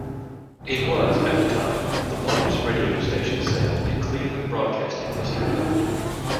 It was, at the time, the largest radio station sale in Cleveland broadcasting history.